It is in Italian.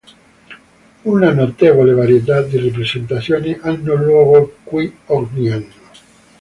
Una notevole varietà di rappresentazioni hanno luogo qui ogni anno.